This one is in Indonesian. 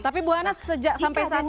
tapi bu hana sejak sampai saat ini mbak